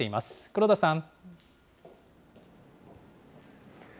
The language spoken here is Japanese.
黒田さん。